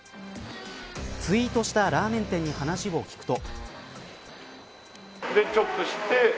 ツイートしたラーメン店に話を聞くと。